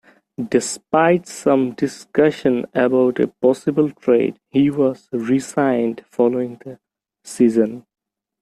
Despite some discussion about a possible trade, He was re-signed following the season.